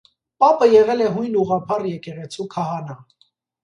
Պապը եղել է հույն ուղղափառ եկեղեցու քահանա։